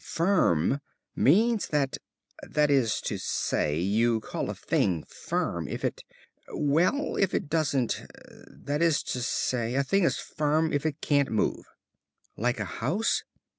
'Firm' means that that is to say, you call a thing firm if it well, if it doesn't that is to say, a thing is firm if it can't move." "Like a house."